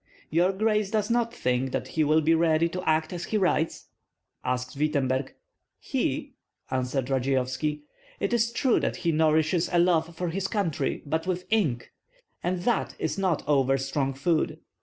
"Your grace does not think that he will be ready to act as he writes?" asked Wittemberg. "He?" answered Radzeyovski. "It is true that he nourishes a love for his country, but with ink; and that is not over strong food.